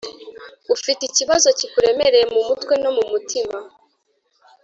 ufite ikibazo kikuremereye mu mutwe no mu mutima.